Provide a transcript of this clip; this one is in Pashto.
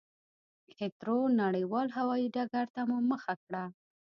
هېترو نړېوال هوایي ډګرته مو مخه کړه.